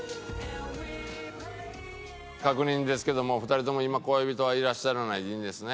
確認ですけどもお二人とも今恋人はいらっしゃらないでいいんですね？